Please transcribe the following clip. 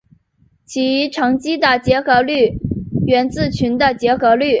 其乘积的结合律源自群的结合律。